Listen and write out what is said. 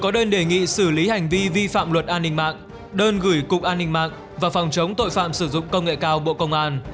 đơn đề nghị xử lý hành vi vi phạm luật an ninh mạng đơn gửi cục an ninh mạng và phòng chống tội phạm sử dụng công nghệ cao bộ công an